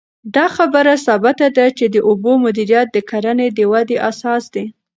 دا خبره ثابته ده چې د اوبو مدیریت د کرنې د ودې اساس دی.